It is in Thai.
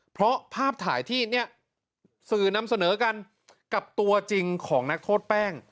เพราะภาพถ่ายที่เนี่ยสื่อนำเสนอกันกับตัวจริงของนักโทษแป้ง